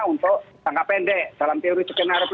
untuk jangka pendek dalam teori skenario